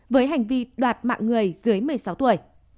với hành vi đoạt mạng người dưới một mươi sáu tuổi